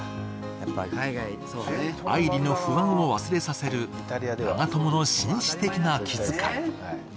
愛梨の不安を忘れさせる長友の紳士的な気遣い。